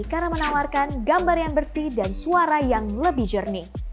karena menawarkan gambar yang bersih dan suara yang lebih jernih